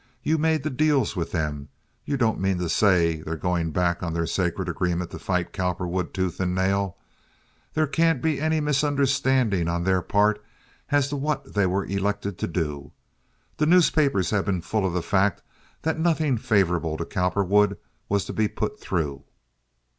You made the deals with them. You don't mean to say they're going back on their sacred agreement to fight Cowperwood tooth and nail? There can't be any misunderstanding on their part as to what they were elected to do. The newspapers have been full of the fact that nothing favorable to Cowperwood was to be put through."